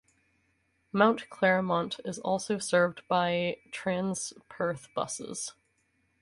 Mount Claremont is also served by Transperth buses.